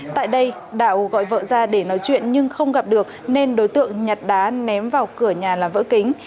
tại đây đạo gọi vợ ra để nói chuyện nhưng không gặp được nên đối tượng nhặt đá ném vào cửa nhà là vỡ kính